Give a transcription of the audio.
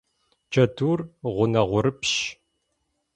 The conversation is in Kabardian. Джэдур гъунэгъурыпщщ.